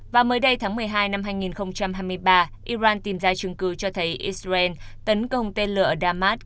và mới đây tháng một mươi hai năm hai nghìn hai mươi ba iran tìm ra trường cư cho thấy israel tấn công tên lửa damat